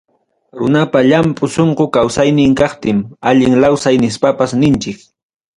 Runapa llanpu sunqu kawsaynin kaptin, allin lawsay nispapas ninchik.